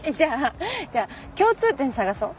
じゃあ共通点探そう。